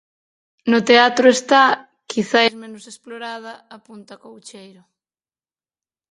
No teatro está, quizais, menos explorada, apunta Coucheiro.